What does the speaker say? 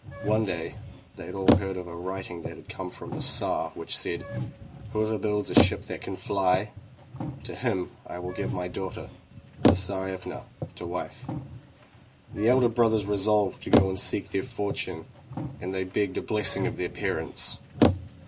One day they all heard that a writing had come from the Tsar which said: "Whoever builds a ship that can fly, to him will I give my daughter, the Tsarevna, to wife.'* The elder brothers resolved to go and seek their fortune, and they begged a blessing of their parents.